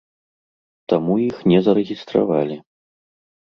Таму іх не зарэгістравалі.